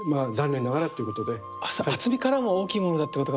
厚みからも大きいものだってことが。